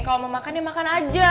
kalau mau makan ya makan makan aja